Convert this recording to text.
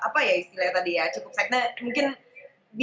jadi misalkan kita menggunakan ilmu ilmu pakem pakem yang memang cukup